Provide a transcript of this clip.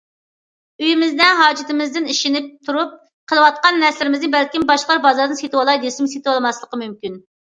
ئۆيىمىزدە ھاجىتىمىزدىن ئېشىنىپ تۇرۇپ قېلىۋاتقان نەرسىلىرىمىزنى بەلكىم باشقىلار بازاردىن سېتىۋالاي دېسىمۇ سېتىۋالالماسلىقى مۇمكىن.